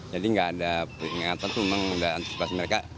jadi nggak ada peringatan itu memang udah antisipasi mereka